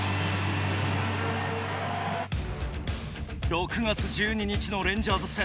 ６月１２日のレンジャーズ戦。